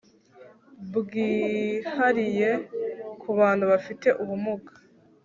bwihariye ku bantu bafite ubumuga